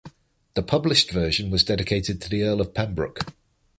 The published version was dedicated to the Earl of Pembroke.